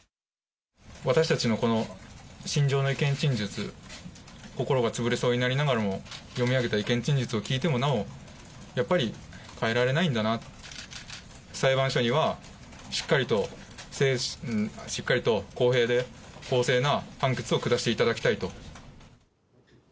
私たちのこの心情の意見陳述、心が潰れそうになりながらも、読み上げた意見陳述を聞いてもなお、やっぱり変えられないんだな、裁判所にはしっかりと公平で公正な判決を下していただきたいと。